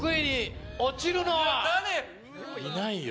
誰⁉いないよ。